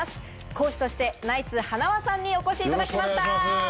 講師としてナイツ・塙さんにお越しいただきました。